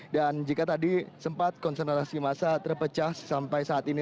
dan jika tadi sempat konsentrasi masa terpecah sampai saat ini